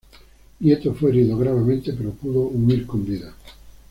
Nieto fue herido gravemente, pero pudo huir con vida.